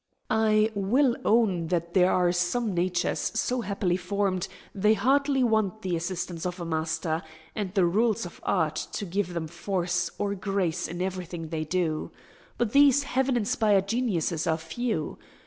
Cadmus. I will own that there are some natures so happily formed they hardly want the assistance of a master, and the rules of art, to give them force or grace in everything they do. But these heaven inspired geniuses are few.